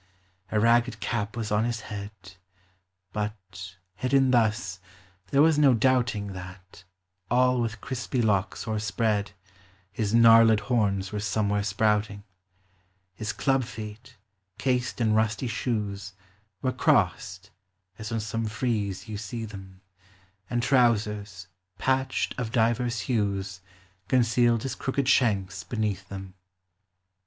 A ragged cap was on his head ; But — hidden thus — there was no doubting That, all with crispy locks o'erspread, His gnarled horns were somewhere sprouting; His club feet, cased in rusty shoes, Were crossed, as on some frieze you see them, And trousers, patched of divers hues, Concealed his crooked shanks beneath them.